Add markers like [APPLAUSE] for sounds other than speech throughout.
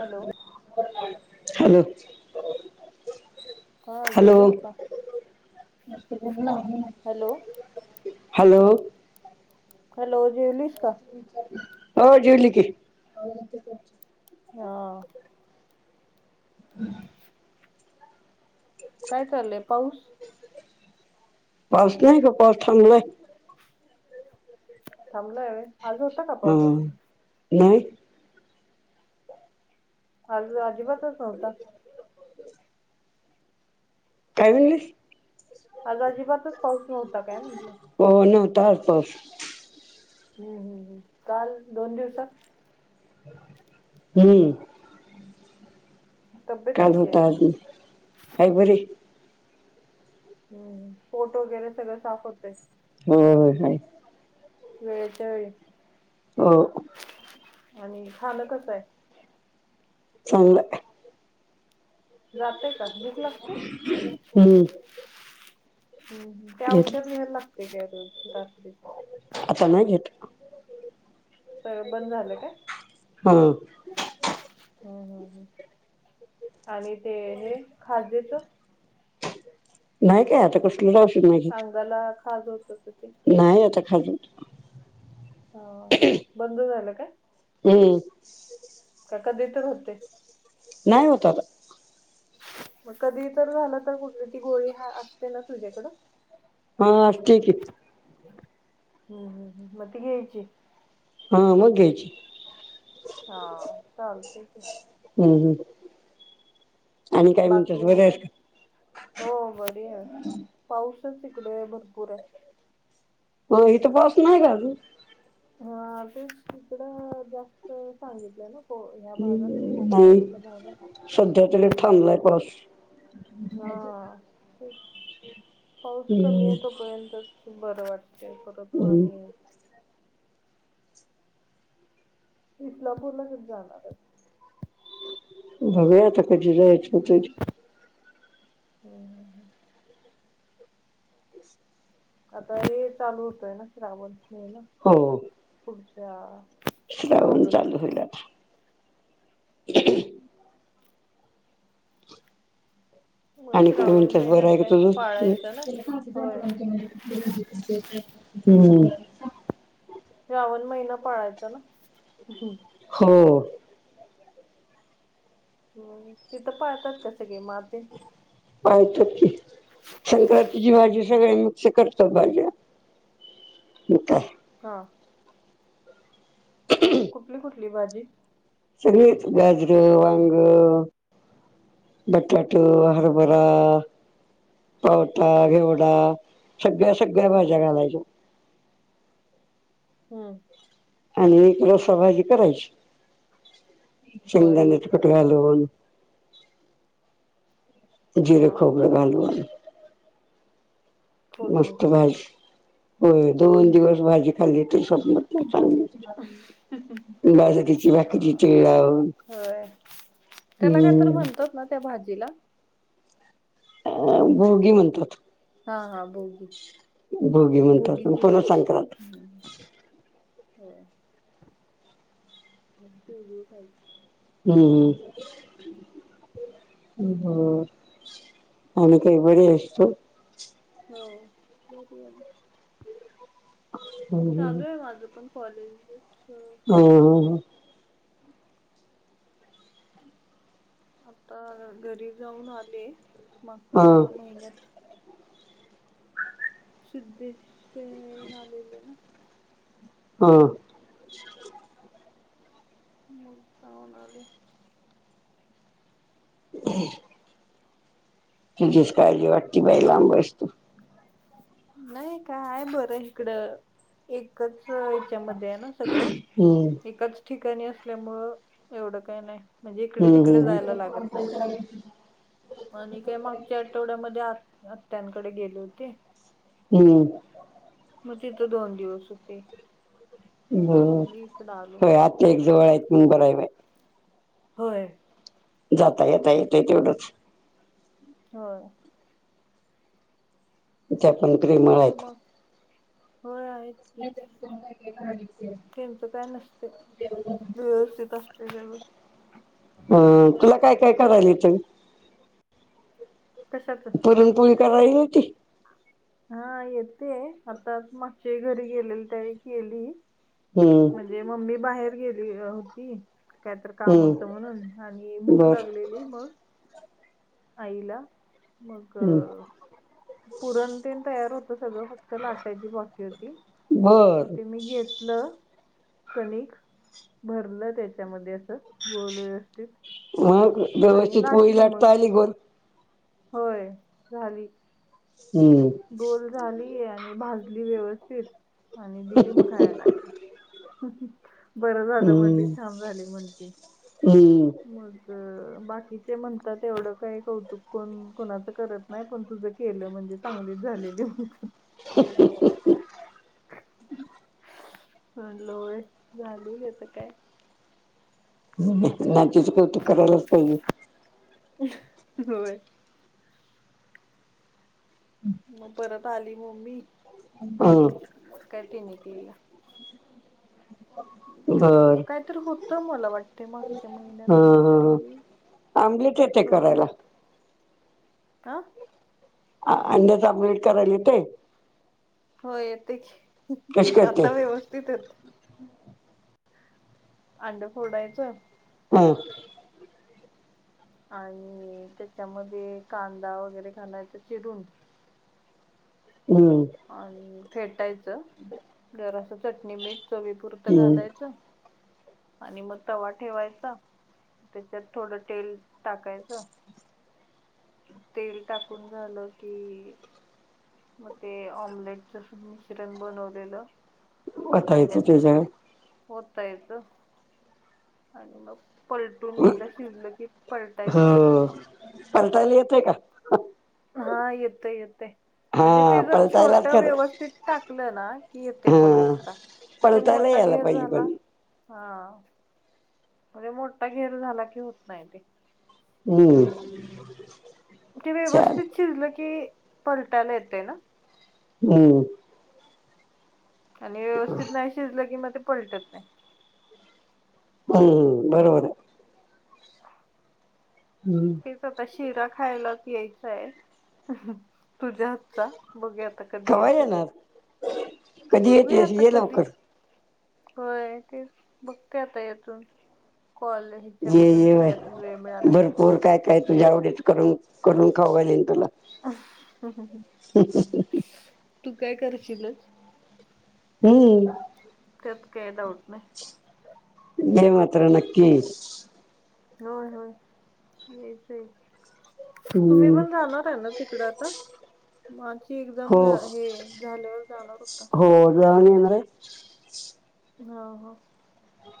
Hello hello. हा hello. जेवलीस का [UNINTELLIGIBLE] हॅलो. हॅलो. हॅलो, जेवलीस का? हो. जिवली की. [UNINTELLIGIBLE] हा. हम. काय चाललंय, पाऊस? पाऊस नाही गं. पाऊस थांबलाय. थांबलंय वय. हम्म [UNINTELLIGIBLE] आज अजिबातच नव्हता. काय म्हणलीस. आज अजिबातच पाऊस नव्हता काय म्हटलं. हो नव्हता आज पाऊस. हम् हम्म हम् काल दोन दिवसात. हम्म. तब्येत काल कशी आहे [UNINTELLIGIBLE] आहे बरी. हम्, पोट वगैरे सगळं साफ होतय. हो हाय. वेळच्या वेळी. हो. आणि खाण कसं आहे. चांगलाय. जातंय का? भूक लागते? हम्म हम् त्या औषध घेतलं द्यायला लागतय रोज रात्री. आता नाही घेत. सगळ बंद झालं काय? हो. हम्म हम् हम् आणि ते हे खाजेच. नाही काय आता कसं. तीजा औषध वय. अंगाला खाज उठत होती. नाही आता खाज [UNINTELLIGIBLE] हो बंद झालं काय? हम्म. का कधी तर होते. नाही होत आता. मग कधी तर झालं तर कुठली ती गोळी असते ना तुझ्याकडं. हा आसत्या की. हम्म हम् हम् मग ती घ्यायची. हा मग घ्यायची. हा चालतय की. हम् हम्. बरी आहेस का हो बरी आहे पाऊसच इकडं भरपूर आहे. हो इथं पाऊस नाही गं अजून. हा आजच तिकडं जास्त सांगितलं ना. हो ह्या भागात नाही कोकणच्या भागात. सध्या तरी थांबलाय पास. हा ते पाऊस कमी हम्म आहे तोपर्यंत. बरं वाटतय परत हम्म माने. इस्लामपूर ला कधी जाणार आहे. बघूया आता कधी जायच होतय ते. हम्म हम्म हम्म. आता हे चालू होतोय ना श्रावण. हो, पुढाच्या. श्रावण चालू होईल आता. मग आणि काय श्रावण म्हणतात बरं महिन्यात आहे का काय तुझ. पाळायचं ना होय हम्म. श्रावन महिना पाळायचा ना. हो, तिथं पाळतात कसं गे मासे. पाळतात की संक्रांतीची हम्म भाजी हम्म सगळ्यांना. असं करतो भाजी. हा, कुठली कुठली भाजी. सगळंच गाजरं वांग. बटाटू हरबरा. पावटा घेवडा सगळ्या सगळ्या हा मज्या घालायच्या. हम्म. आणि एक रसा भाजी करायची होय शंगदान्याच. पट घालून जीरे हा खोब घालून. फोडणी मस्त भाजी होय दोन दिवस हम्म भाजी खाल्ली ते स्वप्नत चांगली. बाजरीची हा भाकरी तीळ लावून. होय त्याला काय तर हम्म म्हणतात ना त्या भाजीला. अ भोगी म्हणतात. हा हा भोगी भोगी म्हणतात पण बोगीची पुन्हा भाजी. संक्रांत होय मग तेगळ काही. हम्म हम्म. आणि काय बरी आहेस तू. हो बरी आहे हम्म चालू आहे माझं पण कॉलेज [UNINTELLIGIBLE] ह आता घरी जाऊन आले हा हा मागच्या महिन्यात. सिद्धेश तेना लेले ना. हा, मग जाऊन आले. ह् [INAUDIBLE] तुझीच काळजी वाट बाई लांबस तू. नाही काय बरं इकडं एकच. त्यामध्ये आहे ना सगळं हम्म एकाच ठिकाणी असल्यामुळ एवढं काय नाही. म्हणजे इकडे तिकडे हम्म जायला लागत नाही. आणि काय मागच्या आठवड्यामध्ये आ आत्यांकडे गेले होते. हम्म. मग तिथं दोन दिवस होते. हो मग इकडं आलो होय आता एक जवळ आहेत मग बरं आहे बाई. होय. जाता यता येतय तेवढंच. हो. त्या पण प्रेमळ मग आहेत. मग होय आहेत. नाही का काय [UNINTELLIGIBLE] त्यांच काय नसते, व्यवस्थित असते सगळ. अ तुला काय काय करायला येत ग? कशाच पुरणपोळी करायला येती? हा येते आताच मागच्या वेळी घरी गेलेले त्यावेळी केली हम्म. म्हणजे मम्मी बाहेर गेली होती. काहीतरी काम होतं हम्म म्हणून आणि भूक बर लागलेली मग आईला मग हम्म पुरणतेन तयार होतं सगळं फक्त लाटायची बाकी होती मग बर ते मी घेतलं कणिक भरलं त्याच्यामध्ये असं गोल व्यवस्थित मग आणि व्यवस्थित पोळी लाटली मग लाटता आली गोल? होय झाली. हम्म. गोल झाली आणि भाजली व्यवस्थित आणि दिली मग खायला एक. बरं झालं म्हणली हम्म छान झाली म्हणती हम्म मग बाकीचे म्हणतात तेवढं काही कौतुक कोण कोणाच करत नाही पण तुझं केलं म्हणजे चांगलीच झालेली. म्हणलं होय झाली आता काय नातीच कौतुक करायलाच पाहिजे. होय. मग परत आली मम्मी हम्म. करते मी तीला. जेवलो, बर काय तर होतं मला वाटत. ते मागच्या महिन्यात ह ह काहीतरी ह आमलेट येते सन करायला. होत आ. अंड्याचा आमलेट करायला येते. हो येते की, कशी करते? कर्ता व्यवस्थित येत. अंड फोडायचं हम्म. आणि त्याच्यामध्ये कांदा वगैरे घालायचा चिरून हम्म. आणि फेटायचं जरसं चटणी मीठ चवी पुर्त हम्म घालायच. आणि मग तवा ठेवायचा त्याच्यात थोडं तेल टाकायचं. तेल टाकून झालं की मग ते ऑमलेट जस मिश्रण बनवलेलं वतायचं अंड्याच त्याच्यावर ओतायच आणि मग पलटून एकदा शिजलं की पलटायचं. पलटायला येते का? हा, येतंय येतंय. म्हणजे ते हा जर छोट पलटायलाच खर व्यवस्थित टाकलं ना, की येते हा पलटता. तर ते पलटायला मोठा यायला घेर पाहिजे झाला पण हा, म्हणजे मोठा घेर झाला की होत नाही ते. हम्म. ते छान व्यवस्थित शिरलं की, पलटायला येतेय ना? हम्म! आणि व्यवस्थित नाही शिजलं की, म ते पलटत नाही. हम्म! बरोबर आहे. [INAUDIBLE] हम्म! तेच आता शिरा खायलाच यायचाय, तुझ्या हातचा. बघूया आता कध कवा येणार? कधी बघूया येतील आता ये कधी लवकर. होय तेच, बघते आता येतो कॉलेज ये त्याच्यामधून ये सगळ्यातून, वेळ बाय मिळाला की. [UNINTELLIGIBLE] काय काय तुझ्या आवडीच करून, करून खाऊ घालीन तुला. [UNINTELLIGIBLE] तू काय करशीलच. हम्म! त्यात काही डाऊट नाही. हे मात्र नक्कीच. होय होय, यायच आहे. तुम्ही हम्म पण जाणार आहे ना तिकड आता? माझी एक्झाम हो झा हे झाल्यावर जाणार होता. [UNINTELLIGIBLE] हो हो.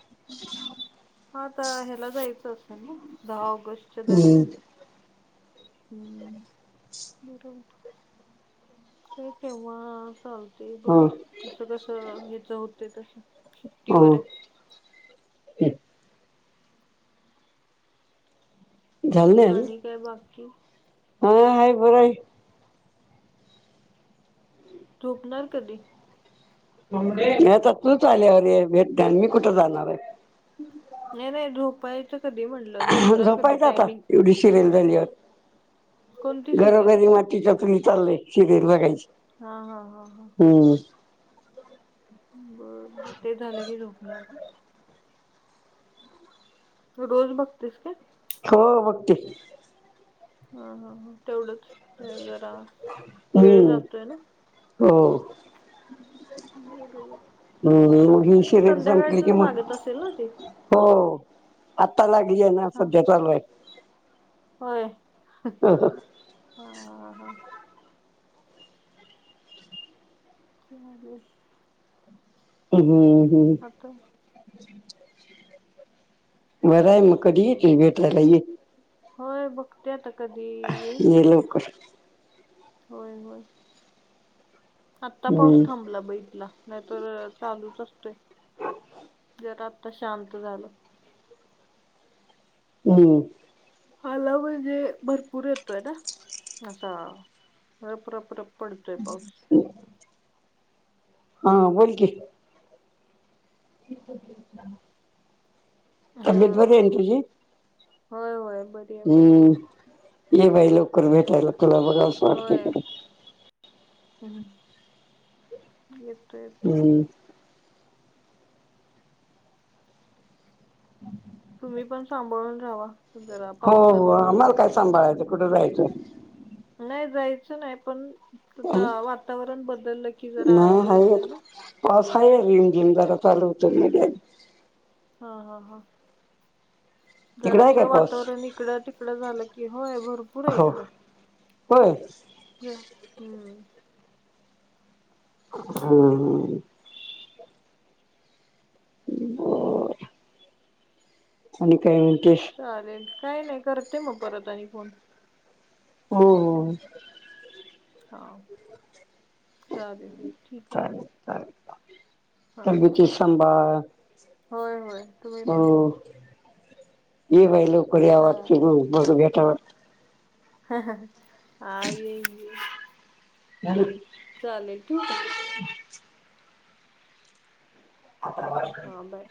[INAUDIBLE] हा, आता ह्याला जायचं असल ना, दहा ऑगस्टच्या हम्म दरम्यान हम्म! बरोबर. काय तेव्हा चालत ते हा बघूया कसं कसं हेच होतय तस, सुट्टीवर हा आहे. झाल आहे नाही, आणि काय बाकी हो हाय बरं आहे झोपणार कधी? म आ तूच आल्यावर [UNINTELLIGIBLE] मी कुठे जाणार आहे? नाही नाही, झोपा झोपायचं आता, एवढी सिरेल झाल्यावर कोणती सिरियल घरोघरी मातीच्या चुली चाललय, शिरीयल बघायची. हा हा हा हा. हम्म बर बर, ते झालं की झोपणार काय? रोज बघतेस काय? हो बघते. हा हा, तेवढंच ते जरा, वेळ हम्म जातोय ना. हो. बरोबर हम्! ही सिरीयल संपली कि संध्याकाळचच मग लागत असेल ना ते हो, आत्ता लागली आहे ना, हा सध्या चालू आहे. होय ह हां. हा ह ह हा [UNINTELLIGIBLE] [UNINTELLIGIBLE] [UNINTELLIGIBLE] बर आहे मग कधी येतील भेटला? होय बघते आता कधी येई ते लोक. होय होय. आत्ता पाऊस हम्म थांबला ब इथला. नाहीतर चालूच असतोय. [UNINTELLIGIBLE] जरा आत्ता शांत झालं. हम्. आला म्हणजे भरपूर येतोय ना. असा रपरपरप. पडतोय पाऊस. [UNINTELLIGIBLE] हा बोलकी. [UNINTELLIGIBLE] हा तब्येत बरी आहे ना तुझी होय होय ब हम्म. ये बाई लवकर भेटाय ल तुला बघा होय. ह येतो येतो. हम्म तुम्ही पण सांभाळून राहावा. जरा हो हो. पावसाचं आम्हाला काय सांभाळायचं कुठे जायचं? नाही जायचं नाही, पण आता वातावरण बदललं की जरा हे होतं ना. आज हाय जरा रिमझिम चालु होतय मध्ये हा हा हा. जरा तिकडं आहे काय असं पाऊस वातावरण इकडं तिकडं झालं की होय भरपूर पुढ ये हो इकडं. होय हम्म. हम्म हम्म. [UNINTELLIGIBLE] आणि काय म्हणतेस? चालेल काही नाही करते मग परत आणि फोन. हो हो. हा. चालेल ठीक आहे. चालेल चालेल. हा तब्बेती साभांळ. होय होय. तुम्ही पण. ये बाई लवकर या हा वर्षी मग बघू भेटा हा हा. हा ये ये. [UNINTELLIGIBLE] चालेल ठेवु का? [UNINTELLIGIBLE] हा बाय.